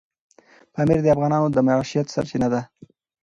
پامیر د افغانانو د معیشت سرچینه ده.